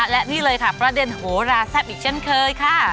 และนี่เลยค่ะประเด็นโหราแซ่บอีกเช่นเคยค่ะ